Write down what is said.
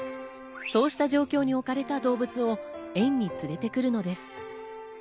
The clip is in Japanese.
そうした状況に置かれた動物を園に連れてくるのです。